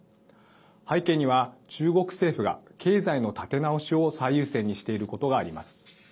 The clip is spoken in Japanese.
背景には中国政府が経済の立て直しを最優先にしていることがあります。